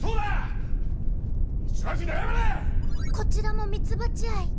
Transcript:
こちらもミツバチ愛！